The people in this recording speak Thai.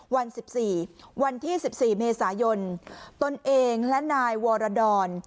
วันสิบสี่วันที่สิบสี่เมษายนตนเองและนายวรดร